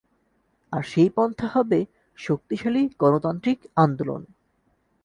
আর সেই পন্থা হবে শক্তিশালী গণতান্ত্রিক আন্দোলন।